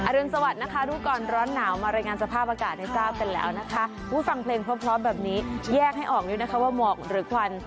รุนสวัสดิ์นะคะรู้ก่อนร้อนหนาวมารายงานสภาพอากาศให้ทราบกันแล้วนะคะฟังเพลงพร้อมแบบนี้แยกให้ออกด้วยนะคะว่าหมอกหรือควัน